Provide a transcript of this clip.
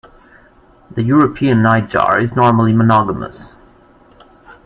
The European nightjar is normally monogamous.